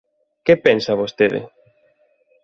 ¿Que pensa vostede?